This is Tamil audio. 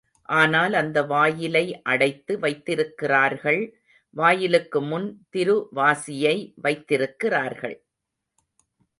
ஆனால் அந்த வாயிலை அடைத்து வைத்திருக்கிறார்கள், வாயிலுக்கு முன் திரு வாசியை வைத்திருக்கிறார்கள்.